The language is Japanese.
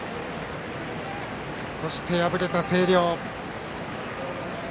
そして敗れた星稜。